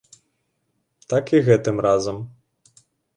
Так і гэтым разам.